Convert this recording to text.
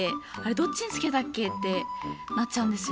どっちに着けたっけ？」ってなっちゃうんですよ。